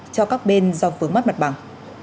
cho các bên do vướng mắc mặt bằng